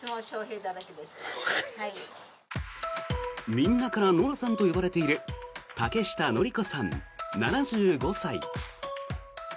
みんなからノラさんと呼ばれている竹下典子さん、７５歳。